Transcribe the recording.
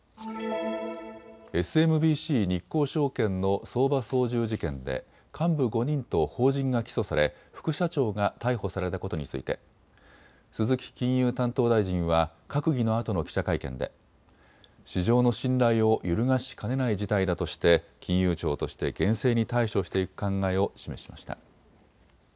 ＳＭＢＣ日興証券の相場操縦事件で幹部５人と法人が起訴され副社長が逮捕されたことについて鈴木金融担当大臣は閣議のあとの記者会見で市場の信頼を揺るがしかねない事態だとして金融庁として厳正に対処していく考えを示しました。